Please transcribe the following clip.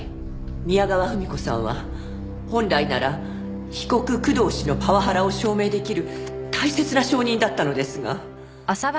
宮川文子さんは本来なら被告工藤氏のパワハラを証明できる大切な証人だったのですが。